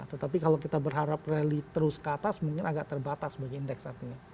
tetapi kalau kita berharap rally terus ke atas mungkin agak terbatas bagi indeks saat ini